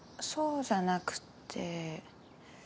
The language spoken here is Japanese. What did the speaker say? そうじゃなくて。